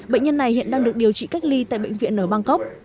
bệnh nhân này hiện đang được điều trị cách ly tại bệnh viện ở bangkok